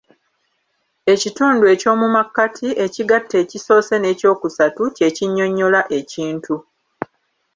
Ekitundu eky'omu makkati, ekigatta ekisoose n'ekyokusatu, kye kinnyonnyola ekintu.